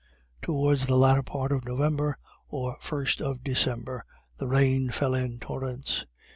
Towards the latter part of November, or first of December, the rain fell in torrents.